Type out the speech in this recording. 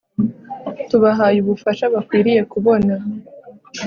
tubahaye ubufasha bakwiriye kubona